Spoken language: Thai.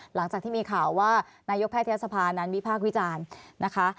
หลังจากที่มีข่าวว่านายกแพทยศภานั้นวิพากษ์วิจารณ์นะคะ